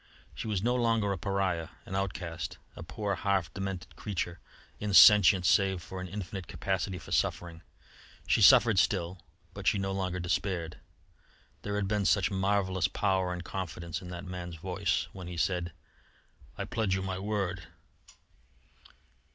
She was no longer a pariah, an outcast, a poor, half demented creature, insentient save for an infinite capacity for suffering. She suffered still, but she no longer despaired. There had been such marvellous power and confidence in that man's voice when he said: "I pledge you my word."